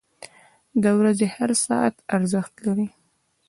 • د ورځې هر ساعت ارزښت لري.